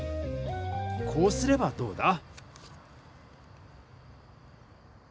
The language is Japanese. こうすればどうだ？